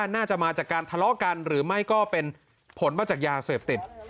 น่าจะมาจากการทะเลาะกันหรือไม่ก็เป็นผลมาจากยาเสพติด